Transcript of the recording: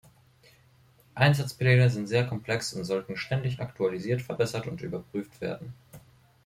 Einsatzpläne sind sehr komplex und sollten ständig aktualisiert, verbessert und überprüft werden.